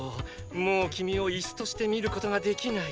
もう君をイスとして見ることができない。